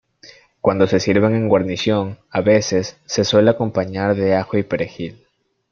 Cuando se sirven en guarnición a veces se suelen acompañar de ajo y perejil.